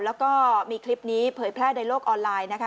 แล้วก็มีคลิปนี้เผยแพร่ในโลกออนไลน์นะคะ